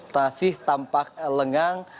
ternasih tampak lengang